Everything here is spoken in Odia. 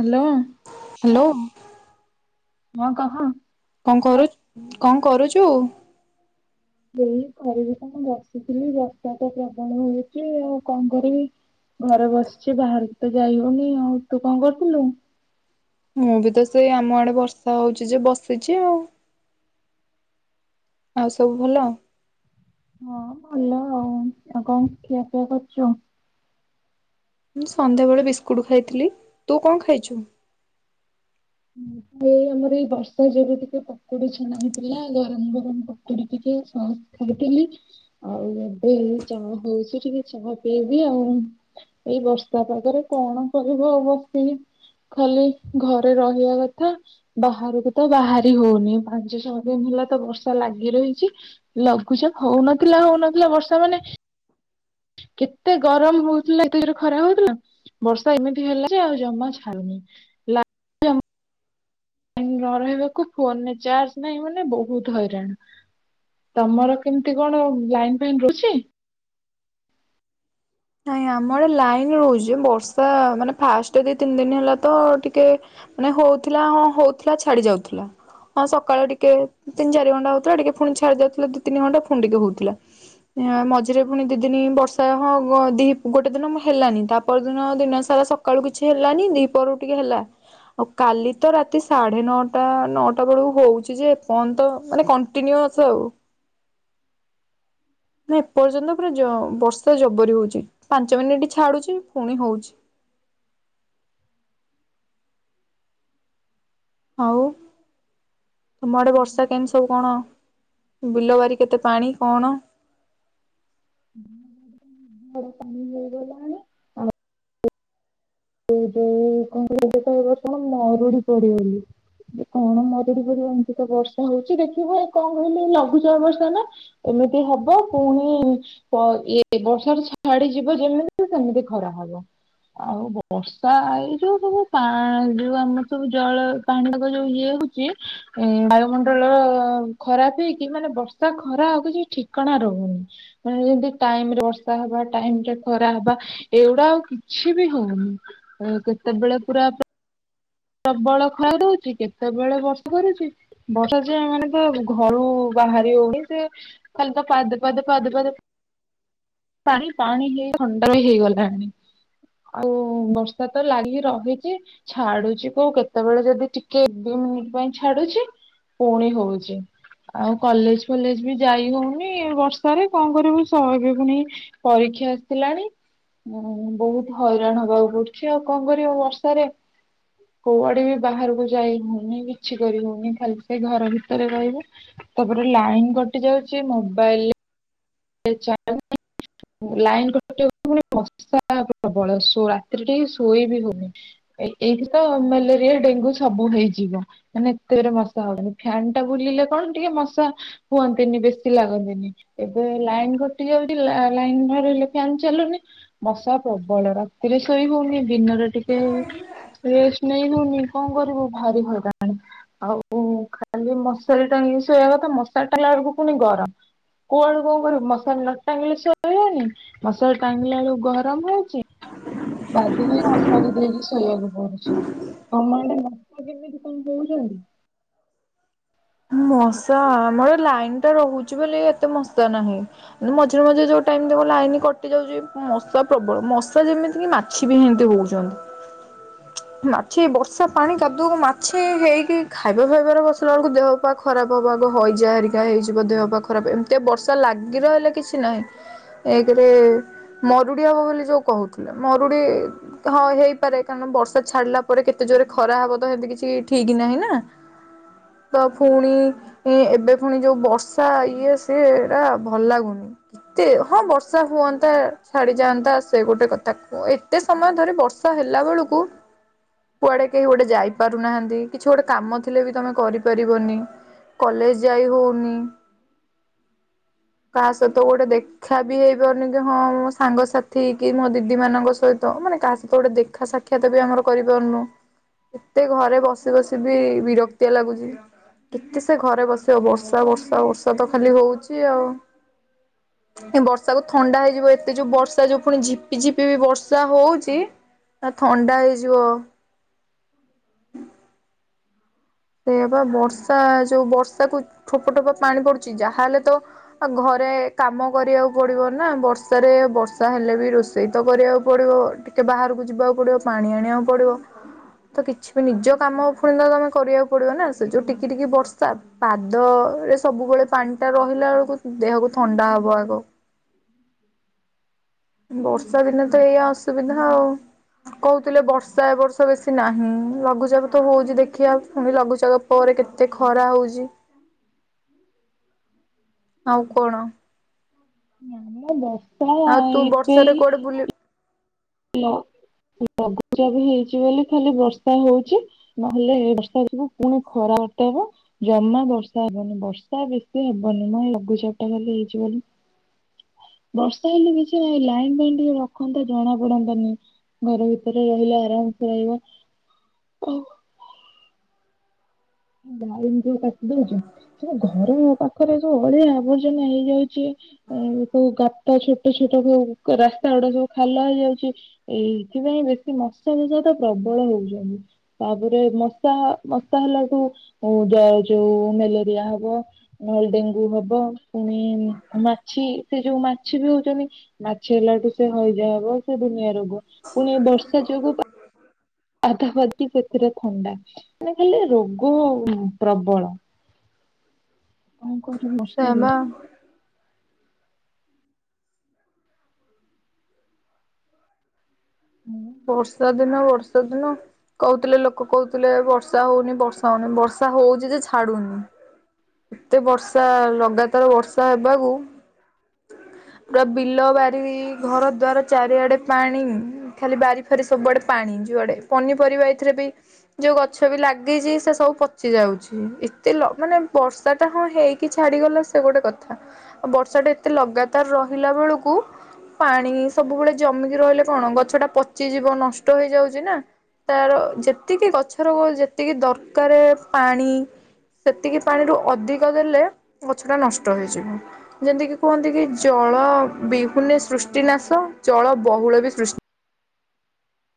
ହାଲୋ। ହାଲୋ। ହଁ କହ। କଣ କରୁ କଣ କରୁଛୁ? ଏଇ କରିବି କଣ ବସିଥିଲି। ବର୍ଷା ତ ପ୍ରବଳ ହଉଛି। ଆଉ କଣ କରିବି। ଘରେ ବସିଛି ବାହାରକୁ ତ ଯାଇ ହଉନି ଆଉ। ତୁ କଣ କରୁଥିଲୁ? ମୁଁ ବି ତ ସେଇ ଆମ ଆଡେ ବର୍ଷା ହଉଛି ଯେ ବସିଛି ଆଉ। ଆଉ ସବୁ ଭଲ? ହଁ ଭଲ ଆଉ। ଆଉ କଣ ଖିଆ ପିଆ କରିଛୁ? ମୁଁ ସନ୍ଧ୍ୟାବେଳେ ବିସ୍କୁଟ ଖାଇଥିଲି। ତୁ କଣ ଖାଇଛୁ? ଏଇ ଆମର ଏଇ ବର୍ଷା ଯୋଗୁ ଟିକେ ପକୁଡି ଛଣା ହେଇଥିଲା ଗରମ ଗରମ ପ କୁଡି ଟିକେ ସସ୍ ଖାଇଥିଲି। ଆଉ ଏବେ ଏଇ ଚାହା ହଉଛି ଟିକେ ଚାହା ପିଇବି ଆଉ। ଏଇ ବର୍ଷା ପାଗରେ କଣ କରିବ ବସିକି। ଖାଲି ଘରେ ରହିବା କ ଥା ବାହାରୁକୁ ତ ବାହାରି ହଉନି। ପାଞ୍ଚ ଛଅ ଦିନ ହେଲା ତ ବର୍ଷା ଲାଗି ରହିଛି। ଲଘୁଚାପ ହଉନଥିଲା ହଉନଥିଲା ବର୍ଷା ମାନେ କେତେ ଗରମ ହଉଥିଲା ଏତେ ଜୋରରେ ଖରା ହଉଥିଲା। ବର୍ଷା ଏମିତି ହେଲା ଯେ ଆଉ ଜମା ଛାଡୁନି। ନ ରହିବାକୁ ଫୋନରେ ଚାର୍ଜ ନାହିଁ ମାନେ ବହୁତ ହଇରାଣ। ତମର କେମିତି କଣ ଲାଇନ୍ ଫାଇନ୍ ରହୁଛି? ନାଇଁ ଆମର ଲାଇନ ରହୁଛି। ବର୍ଷା ମାନେ ଫାଷ୍ଟ ଦି ତିନି ଦିନି ହେଲା ତ ଟିକେ ମାନେ ହଉଥିଲା ହଁ ହଉଥିଲା ଛାଡି ଯାଉଥିଲା। ହଁ ସକାଳେ ଟିକେ ତିନି ଚାରି ଘଣ୍ଟା ହଉଥିଲା ଟିକେ ପୁଣି ଛାଡି ଯାଉଥିଲା ଦି ତିନି ଘଣ୍ଟା ପୁଣି ଟିକେ ହଉଥିଲା। ଇଆଁ ମଝିରେ ପୁଣି ଦି ଦିନି ବର୍ଷା ହଁ ହଁ ଦି ଗୋଟେ ଦିନ ମ୍ ହେଲାନି ତା ପରଦିନ ଦିନ ସାରା ସକାଳୁ କିଛି ହେଲାନି ଦିପହରକୁ ଟିକେ ହେଲା। ଆଉ କାଲି ତ ରାତି ସାଢେ ନଅଟା ନଅଟା ବେଳୁକୁ ହଉଛି ଯେ ଏପର୍ଯ୍ୟନ୍ତ ମାନେ କନ୍ ଟିନିଓସ୍ ଆଉ। ମାନେ ଏପର୍ଯ୍ୟନ୍ତ ପୁରା ଜ ବର୍ଷା ଜବରି ହଉଛି। ପାଞ୍ଚ ମିନିଟ୍ ଛାଡୁଛି ପୁଣି ହଉଛି। ଆଉ ତମ ଆଡେ ବର୍ଷା କେମିତି ସବୁ କଣ? ବିଲବାରି କେତେ ପାଣି କଣ [unintelligible] ଏ ଯୋଉ [unintelligible] ବର୍ଷ ମରୁଡି ପଡିବ ବୋଲି। କଣ ମରୁଡି ପଡିବ। ଏମିତି ତ ବର୍ଷା ହଉଚି ଦେଖିବ ଏ କଣ କହିଲ ଲଘୁଚାପ ବର୍ଷା ନା। ଏମିତି ହବ ପୁଣି ପ ଏ ବର୍ଷା ଛାଡିଯିବ ଯେମିତି ସେମିତି ଖରା ହବ। ଆଉ ବ ବର୍ଷା ଏଇ ଯୋଉ ସବୁ ପାଣି ଯୋଉ ଆମର ସବୁ ଜଳ ପାଣିରାକ ଯୋଉ ଇଏ ହଉଚି ଏ ବାୟୁମଣ୍ଡଳ ଖରାପ ହେଇକି ମାନେ ବର୍ଷା ଖରା ଆଉ କିଛି ଠିକଣା ରହୁନି। ମାନେ ଯେମିତି ଟାଇମରେ ବର୍ଷା ହବା ଟାଇମ ରେ ଖରା ହବା ଏଇଗୁଡା ଆଉ କିଛି ବି ହଉନି। କେତେବେଳେ ପୁରା ପ୍ରବଳ ଖରା ଦଉଚି କେତେବେଳେ ବର୍ଷା କରୁଚି। ବର୍ଷା ଯେ ମାନେ ତ ଘରୁ ବାହାରି ହଉନି ସେ ଖାଲି ତ ପାଦେ ପାଦେ ପାଦେ ପାଦେ ପାଣି ପାଣି ହେଇ ଥଣ୍ଡା ବି ହେଇଗଲାଣି। ଆଉ ବର୍ଷା ତ ଲାଗି ରହିଚି ଛାଡୁଚି କୋଉ କେତେବେଳେ ଯଦି ଟିକେ ଦି ମିନିଟ ପାଇଁ ଛାଡୁଛି ପୁଣି ହଉଛି। ଆଉ କଲେଜ ଫଲେଜ ବି ଯାଇ ହଉନି ବର୍ଷାରେ କଣ କରିବୁ ସହଜେ ପୁଣି ପରୀକ୍ଷା ଆସିଲାଣି। ବହୁତ ହଇରାଣ ହବାକୁ ପଡୁଛି ଆଉ କଣ କରିବୁ ବର୍ଷାରେ। କୁଆଡେ ବି ବାହାରକୁ ଯାଇ ହଉନି କିଛି କରି ହଉନି। ଖାଲି ସେ ଘର ଭିତରେ ରହିବୁ। ତାପରେ ଲାଇନ୍ କଟି ଯାଉଚି ମୋବାଇଲରେ [unintelligible] ଲାଇନ୍ କଟିଲେ ପୁଣି ମଶା ପ୍ରବଳ ରାତି ରେ ଟିକେ ଶୋଇ ବି ହଉନି। ଏଇଠି ତ ମେଲେରିଆ ଡେଙ୍ଗୁ ସବୁ ହେଇଯିବ। ମାନେ ଏତେ ଜୋରରେ ମଶା ହଉଛନ୍ତି। ଫ୍ୟନ୍ ଟା ବୁଲିଲେ କଣ ଟିକେ ମଶା ହୁଅନ୍ତିନି ବେଶୀ ଲାଗନ୍ତିନି। ଏ ଏ ଲାଇନ୍ କଟି ଯାଉଚି ଲାଏ ଲାଇନ ନରହିଲେ ଫ୍ୟାନ୍ ଚାଲୁନି। ମଶା ପ୍ରବଳ ର ରାତିରେ ଶୋଇ ହଉନି। ଦିନରେ ଟିକେ ରେଷ୍ଟ ନେଇ ହଉନି। କଣ କରିବ ଭାରି ହଇରାଣ। ଆଉ ଖାଲି ମଶାରି ଟାଙ୍ଗିକି ସୋଇବା କଥା ମଶାରି ଟାଙ୍ଗିଲା ବେଳକୁ ପୁଣି ଗରମ। କୋଉଆଦୁଟ କଣ କରିବୁ। ମଶାରି ନ ଟାଙ୍ଗିଲେ ସୋଇ ହଉନି ମସଲା ଟାଙ୍ଗିଲା ବେଳକୁ ଗରମ ହଉଚି। [unintelligible] ମଶାରି ଦେଇକି ଶୋଇବାକୁ ପଡୁଚି। [unintelligible] ମଶା କେମିତି କଣ ହଉଛନ୍ତି? ମଶା ଆମର ଲାଇନ ଟା ରହୁଚି ବୋଲି ଏତେ ମଶା ନାହିଁ। ମଝିରେ ମଝିରେ ଯୋଉ ଟାଇମ ରେ ଦେଖିବ ଲାଇନ କଟି ଯାଉଚି ମଶା ପ୍ରବଳ। ମଶା ଯେମିତି କି ମା ଛି ବି ହେମତି ହଉଛନ୍ତି। ମାଛି ବର୍ଷା ପାଣି କାଦୁଅକୁ ମାଛି ହେଇକି ଖାଇବା ଫାଇବା ଫାଇବାରେ ବସିଲା ବେଳକୁ ଦେହ ପା ଖରାପ ହବା ଆଗ। ହଇଜା ହେରିକା ହେଇଯିବ ଦେହପା ଖରାପ। ଏମିତିଆ ବର୍ଷା ଲାଗି ରହିଲେ କିଛି ନାହିଁ। ଏକରେ ମରୁଡି ହବ ବୋଲି ଯୋଉ କହୁଥିଲେ। ମରୁଡି ହଁ ହେଇପାରେ କାରଣ ବର୍ଷା ଛାଡିଲା ପରେ କେତେ ଜୋରେ ଖରା ହବ ତ ସେମିତି କିଛି ଠିକ୍ ନାହିଁ ନା। [unintelligible] ପୁଣି ଏବେ ପୁଣି ଯୋଉ ବର୍ଷା ଇଏ ସିଏ ଭଲ ଲାଗୁନି। ଏତେ ହଁ ବର୍ଷା ହୁଅନ୍ତା ଛାଡିଯାଆନ୍ତା ସେ ଗୋଟେ କଥା କୁହ। ଏ ଏତେ ସମୟ ଧରି ବର୍ଷା ହେଲା ବେଳକୁ କୁଆଡେ କେହି ଗୋଟେ ଯାଇପାରୁନାହାନ୍ତି। କିଛି ଗୋଟେ କାମ ଥିଲେ ବି ତମେ କରିପାରିବ ବନି। କଲେଜ ଯାଇ ହଉନି। କାହା ସହିତ ଗୋଟେ ଦେ ଦେଖା ବି ହେଇପାରୁନି। କି ହଁ ମୋ ସାଙ୍ଗସାଥି କି ମୋ ଦିଦି ମାନଙ୍କ ସହିତ ମାନେ କାହା ସହିତ ଗୋଟେ ଦେଖା ସାକ୍ଷା ତ ବି ଆମର କରିପାରୁନୁ। ଏତେ ଘରେ ବସି ବସି ବି ବିରକ୍ତିଆ ଲାଗୁଚି। କେତେ ସେ ଘରେ ବସିବ। ବର୍ଷା ବର୍ଷା ବର୍ଷା ତ ଖାଲି ହଉଚି ଆଉ। ଏ ବର୍ଷାକୁୁ ଥଣ୍ଡା ହେଇଯିବ ଏତେ ଯୋଉ ବର୍ଷା ଯୋଉ ପୁଣି ଝିପି ଝିପି ବି ବର୍ଷା ହଉଛି। ତା ଥଣ୍ଡା ହେଇଯିବ। ସେଇବା ବର୍ଷା ଯୋଉ ବର୍ଷାକୁ ଠୋପା ଠୋପା ପାଣି ପଡୁଛି ଯାହାହଲେ ତ ଆଉ ଘରେ କାମ କରିବାକୁ ପଡିବ ନା ବର୍ଷାରେ ବର୍ଷା ହେଲେ ବି ରୋଷେଇ ତ କରିବାକୁ ପଡିବ। ଟିକେ ବାହାରକୁ ଯିବାକୁ ପଡ଼ିବ ପାଣି ଆଣିବାକୁ ପଡ଼ିବ। ତ କିଛି ବି ନିଜ କାମ ଫୁଣି ତ ତମେ କରିବାକୁ ପଡିବ ନା ସେ ଯୋଉ ଟିକି ଟିକି ବର୍ଷା। ପାଦ ଏ ସବୁବେଳେ ପାଣି ଟା ରହିଲା ଆଳକୁ ଦେହକୁ ଥଣ୍ଡା ହବ ଆଗ। ବର୍ଷା ଦିନେ ତ ଏୟା ଅସୁବିଧା ଆଉ। କହୁଥିଲେ ବର୍ଷା ଏ ବର୍ଷ ବେଶି ନାହିଁ ଲଘୁଚାପ ତ ହଉଛି ଦେଖିବା ତ ଲଘୁଚାପ ପରେ କେତେ ଖରା ହଉଛି? ଆଉ କଣ? ନାମ ବର୍ଷା ଆଉ ତୁ ଏବେ ବର୍ଷାରେ କୁଆଡେ ଏଇ ବୁଲି ହେଲୋ ଲ ଲଘୁଚାପ ହେଇଛି ବୋଲି ଖାଲି ବର୍ଷା ହଉଛି। ନହେଲେ ବର୍ଷା [unintelligible] ପୁଣି ଖରା ଟାରେ ଜମା ବର୍ଷା ହବନି ବର୍ଷା ବେଶୀ ହବନି ମୁଁ ଏଇ ଲଘୁଚାପଟା ଖାଲି ହେଇଛି ବୋଲି। ବର୍ଷା ହେଲେ କିଛି ନାଇଁ ଲାଇନ୍ ପାଇଁନ ଟିକେ ରଖନ୍ତେ ଜଣା ପଡନ୍ତାନି ଘର ଭିତରେ ରହିଲେ ଆରାମସେ ରହିବ। ବାଇ ପାଖ ଦଉଛ ସେ ବା ଘର ପାଖରେ ଯୋଉ ଅଳିଆ ଆବର୍ଜନା ହେଇଯାଉଛି ଆ ସବୁ ଗାତ ଛୋଟ ଛୋଟ ଯୋଉ ରାସ୍ତା ଗୁଡା ସବୁ ଖାଲ ହେଇଯାଉଛି ଏଇଥିପାଇଁ ବେଶୀ ମଶା [unintelligible] ତ ପ୍ରବଳ ହଉଛନ୍ତି। ତାପରେ ମଶା ମଶା ହେଲାଠୁ ହଇଜା ହଉଛି ମ୍ୟାଲେରିଆ ହବ। ନହେଲେ ଡେଙ୍ଗୁ ହବ ପୁଣି ମାଛି ସେ ଯୋଉ ମାଛି ବି ହଉଛନ୍ତି। ମାଛି ହେଲାଠୁ ସେ ହଇଜା ହବ ସେ ଦୁନିଆ ରୋଗ ପୁଣି ଏଇ ବର୍ଷା ଯୋଗୁଁ ଆଧାପାଦୀ ସେଥିରେ ଥଣ୍ଡା ମାନେ ଖାଲି ରୋଗ ଅ ପ୍ରବଳ। କଣ କରିବି ସେୟା ବର୍ଷା ରେ। ବା ହୁଁ। ବର୍ଷା ଦିନ ବର୍ଷା ଦିନ କହୁଥିଲେ ଲୋକ କହୁଥିଲେ ବର୍ଷା ହଉନି ବର୍ଷା ହଉନି ବର୍ଷା ହଉଛି ଯେ ଛାଡୁନି। ଏତେ ବର୍ଷା ଲଗାତାର ବର୍ଷା ହେବାକୁ। ପୁରା ବିଲ ବାରି ଘର ଦ୍ବାର ଚାରିଆଡେ ପାଣି ଖାଲି ବାରିଫାରି ସବୁଆଡେ ପାଣି ଯୁଆଡ଼େ ପନିପରିବା ଏଥିରେ ବି ଯୋଉ ଗଛ ବି ଲାଗିଛି ସେ ସବୁ ପଚି ଯାଉଛି ଏତେ ଲ ମାନେ ବର୍ଷ ତାଟା ହଁ ହେଇକି ଛାଡିଗଲେ ସେ ଗୋଟେ କଥା। ଆଉ ବର୍ଷାଟା ଏତେ ଲଗାତାର ରହିଲା ବେଳକୁ ପାଣି ସବୁବେଳେ ଯମିକି ରହିଲେ କଣ ଗଛଟା ପଚିଯିବ ନଷ୍ଟ ହେଇଯାଉଛି ନା। ତାର ଯେତିକି ଗଛର ଯେତିକି ଦରକାରେ ପାଣି ସେତିକି ପାଣିରୁ ଅଧିକ ଦେଲେ ଗଛଟା ନଷ୍ଟ ହେଇଯିବ। ଯେମିତିକି କୁହନ୍ତି କି ଜଳ ବିହୁନେ ସୃଷ୍ଟି ନାଶ ଜଳ ବହୁଳ ବି ସୃଷ୍ଟି